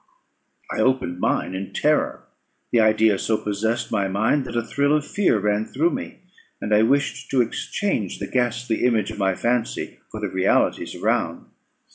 I opened mine in terror. The idea so possessed my mind, that a thrill of fear ran through me, and I wished to exchange the ghastly image of my fancy for the realities around.